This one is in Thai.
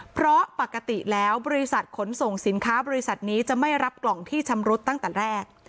เพราะปกติแล้วบริษัทขนส่งสินค้าบริษัทนี้จะไม่รับกล่องที่ชำรุดตั้งแต่แรก